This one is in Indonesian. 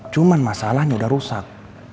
cuman masalahnya udah rusak